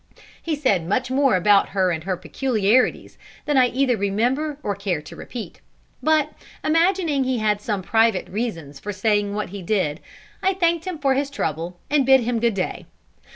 He said much more about her and her peculiarities than I either remember or care to repeat; but, imagining he had some private reasons for saying what he did, I thanked him for his trouble, and bid him good day.